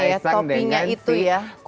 kaisang dengan si kupluk